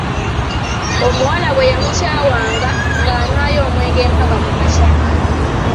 Omuwala bwe yamukyawanga, ng'anywa omwenge mpaka ku makya